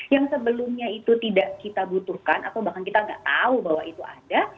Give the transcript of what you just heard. yang sebelumnya itu tidak kita butuhkan atau bahkan kita tidak tahu bahwa itu ada